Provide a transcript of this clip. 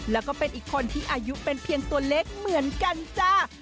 แล้วก็เป็นอีกคนที่อายุเป็นเพียงตัวเล็กเหมือนกันจ้า